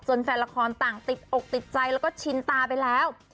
แฟนละครต่างติดอกติดใจแล้วก็ชินตาไปแล้ว